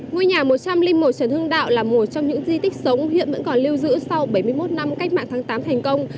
ngôi nhà một trăm linh một trần hưng đạo là một trong những di tích sống hiện vẫn còn lưu giữ sau bảy mươi một năm cách mạng tháng tám thành công